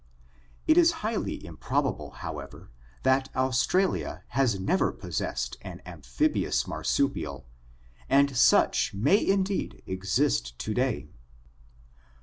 It is highly improbable, however, that Australia has never possessed an amphibious marsupial and such may indeed exist to day.